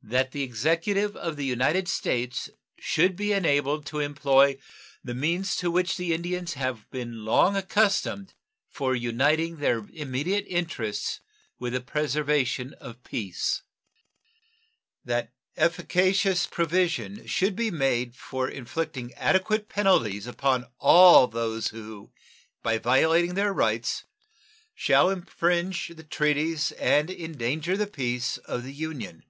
That the Executive of the United States should be enabled to employ the means to which the Indians have been long accustomed for uniting their immediate interests with the preservation of peace. And that efficacious provision should be made for inflicting adequate penalties upon all those who, by violating their rights, shall infringe the treaties and endanger the peace of the Union.